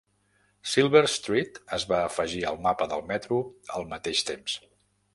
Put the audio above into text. Silver Street es va afegir al mapa del metro al mateix temps.